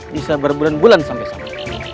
bisa berbulan bulan sampai sana